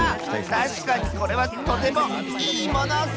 たしかにこれはとても「いいもの」ッス！